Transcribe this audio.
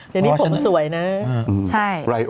พี่พี่ผมสวยเนอะ